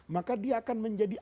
maka dia akan menjadi